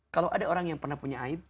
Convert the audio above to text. kalau ada orang yang pernah punya aib